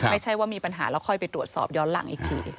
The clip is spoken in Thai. ไม่ใช่ว่ามีปัญหาแล้วค่อยไปตรวจสอบย้อนหลังอีกที